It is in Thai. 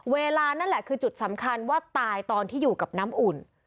เวลานั่นแหละคือจุดสำคัญว่าตายตอนที่อยู่กับน้ำอุ่น